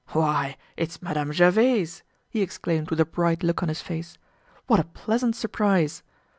"Why it's Madame Gervaise!" he exclaimed with a bright look on his face. "What a pleasant surprise."